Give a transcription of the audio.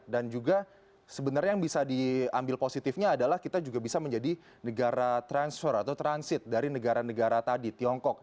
dan juga sebenarnya yang bisa diambil positifnya adalah kita juga bisa menjadi negara transfer atau transit dari negara negara tadi tiongkok